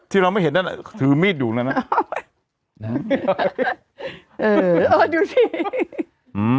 ที่เราไม่เห็นน่ะถือมีดอยู่น่ะน่ะเออดูนี่อืม